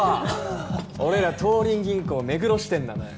俺ら東林銀行目黒支店なのよ。